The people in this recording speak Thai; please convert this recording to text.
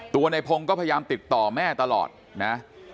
ในพงศ์ก็พยายามติดต่อแม่ตลอดนะ